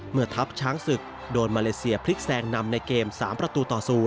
ทัพช้างศึกโดนมาเลเซียพลิกแซงนำในเกม๓ประตูต่อ๐